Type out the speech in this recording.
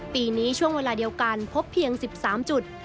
ปีนี้ช่วงเวลาเดียวกันพบเพียง๑๓จุด